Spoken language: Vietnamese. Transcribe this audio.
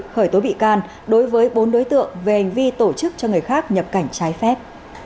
khởi tố bị can đối với bốn đối tượng về hành vi tổ chức cho người khác nhập cảnh trái phép